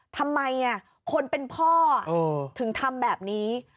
ทำไมคนเป็นพ่อถึงทำแบบนี้